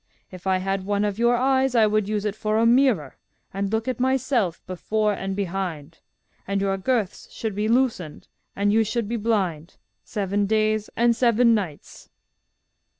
If I had one of your eyes I would use it for a mirror, and look at myself before and behind; and your girths should be loosened, and you should be blind seven days and seven nights."